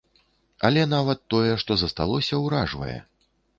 Але нават тое, што засталося, уражвае.